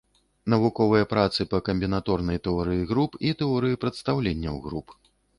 Навуковыя працы па камбінаторнай тэорыі груп і тэорыі прадстаўленняў груп.